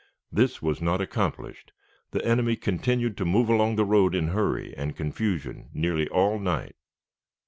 This was not accomplished. The enemy continued to move along the road in hurry and confusion nearly all the night.